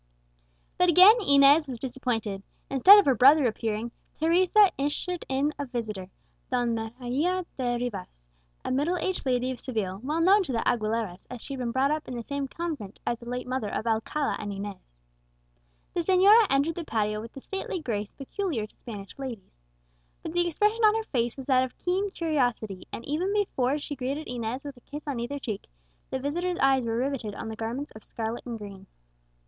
But again Inez was disappointed. Instead of her brother appearing, Teresa ushered in a visitor, Donna Maria de Rivas, a middle aged lady of Seville, well known to the Aguileras, as she had been brought up in the same convent as the late mother of Alcala and Inez. The señora entered the patio with the stately grace peculiar to Spanish ladies. But the expression on her face was that of keen curiosity; and even before she greeted Inez with a kiss on either cheek, the visitor's eyes were riveted on the garments of scarlet and green.